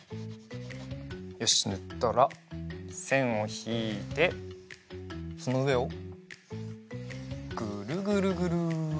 よしぬったらせんをひいてそのうえをぐるぐるぐる。